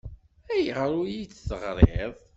Ayɣer ur iyi-d-teɣriḍ?